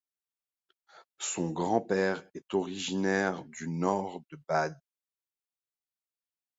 Son grand-père est originaire du nord de Bade.